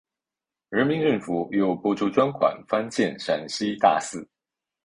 人民政府又拨出专款翻建陕西大寺。